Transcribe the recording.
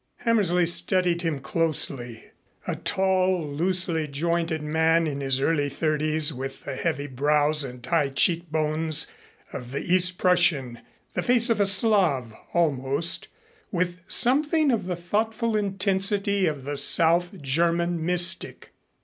Hammersley studied him closely: a tall, loosely jointed man in his early thirties with the heavy brows and high cheekbones of the East Prussian, the face of a Slav, almost, with something of the thoughtful intensity of the South German mystic.